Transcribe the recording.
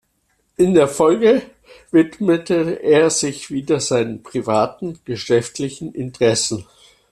In der Folge widmete er sich wieder seinen privaten geschäftlichen Interessen.